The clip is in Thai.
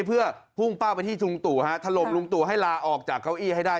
เพื่อพุ่งเป้าไปที่ลุงตู่ฮะถล่มลุงตู่ให้ลาออกจากเก้าอี้ให้ได้